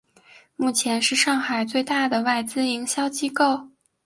目前是上海最大的外资营销机构。